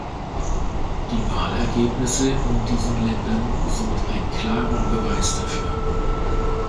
Die Wahlergebnisse in diesen Ländern sind ein klarer Beweis dafür.